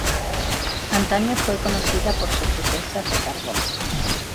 Antaño fue conocida por sus riquezas de carbón.